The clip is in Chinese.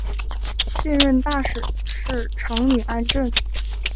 现任大使是长岭安政。